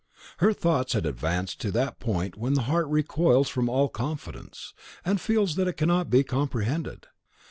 Her thoughts had advanced to that point when the heart recoils from all confidence, and feels that it cannot be comprehended.